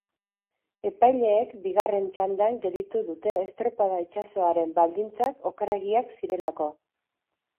Epaileek bigarren txandan gelditu dute estropada itsasoaren baldintzak okerregiak zirelako.